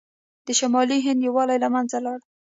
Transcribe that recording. د شمالي هند یووالی له منځه لاړ.